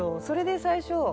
それで最初。